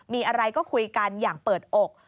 มีอะไรก็คุยกันอย่างเปิดอก